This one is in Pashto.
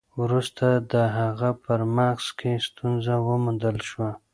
وروسته د هغه په مغز کې ستونزه وموندل شوه.